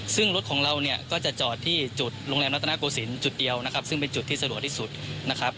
ซึ่งรถของเราเนี่ยก็จะจอดที่จุดโรงแรมรัฐนาโกศิลป์จุดเดียวนะครับซึ่งเป็นจุดที่สะดวกที่สุดนะครับ